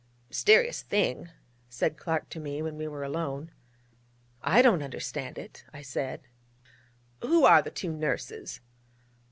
'Mysterious thing,' said Clark to me, when we were alone. 'I don't understand it,' I said. 'Who are the two nurses?'